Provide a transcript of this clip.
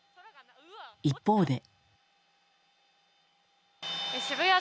一方で。